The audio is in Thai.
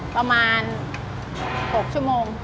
ประมาณ๖ชั่วโมง